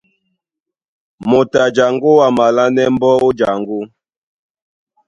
Moto a jaŋgó a malánɛ́ mbɔ́ ó jaŋgó.